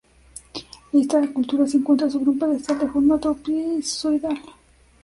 Esta escultura se encuentra sobre un pedestal de forma trapezoidal.